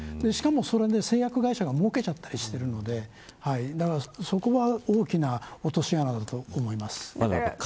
しかも、それで製薬会社がもうけちゃったりしているのでだから、そこは大きな落とし穴だと思います。